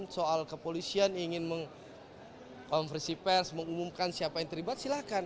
soal kepolisian ingin mengumumkan siapa yang terlibat silakan